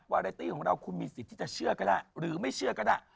วาเลตี้ของเราคุณมีสิทธิ์ที่จะเชื่อกันหรือไม่เชื่อกันนะ